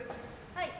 はい。